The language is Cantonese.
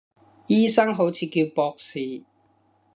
醫生好似叫博士